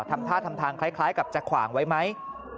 ทำท่าทำทางคล้ายกับจะขวางไว้ไหม